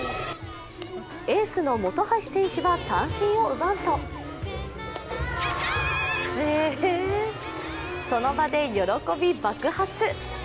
エースの本橋選手は三振を奪うとその場で喜び爆発。